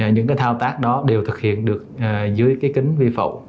những cái thao tác đó đều thực hiện được dưới cái kính vi phạm